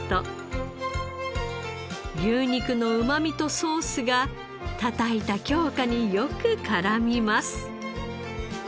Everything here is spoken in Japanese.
牛肉のうまみとソースがたたいた京香によく絡みます。